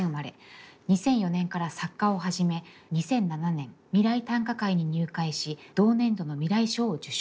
２００４年から作歌を始め２００７年未来短歌会に入会し同年度の未来賞を受賞。